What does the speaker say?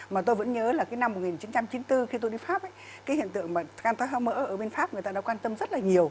mà tôi vẫn nhớ là cái năm một nghìn chín trăm chín mươi bốn khi tôi đi pháp cái hiện tượng mà gan thoái hóa mỡ ở bên pháp người ta đã quan tâm rất là nhiều